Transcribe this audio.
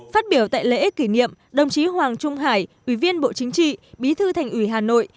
phát biểu tại lễ kỷ niệm đồng chí hoàng trung hải ủy viên bộ chính trị bí thư thành ủy hà nội